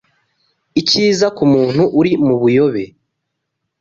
icyiza ku muntu uri mu buyobe